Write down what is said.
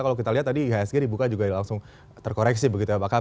kalau kita lihat tadi ihsg dibuka juga langsung terkoreksi begitu ya